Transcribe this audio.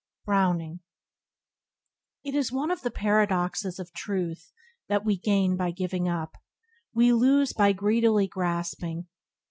—Browning. T is one of the paradoxes of Truth that we gain by giving up; we lose by greedily grasping.